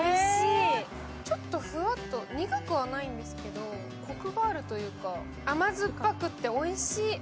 ちょっとふわっと、苦くはないんですけどコクがあるというか、甘酸っぱくておいしい。